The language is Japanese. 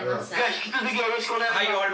引き続きよろしくお願いします。